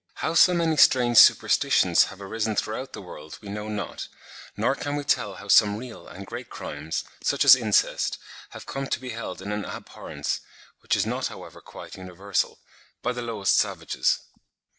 How so many strange superstitions have arisen throughout the world we know not; nor can we tell how some real and great crimes, such as incest, have come to be held in an abhorrence (which is not however quite universal) by the lowest savages.